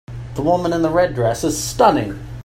The woman in the red dress is stunning.